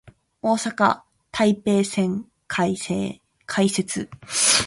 大阪・台北線開設